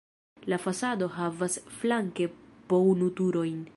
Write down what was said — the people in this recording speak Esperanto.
La fasado havas flanke po unu turojn.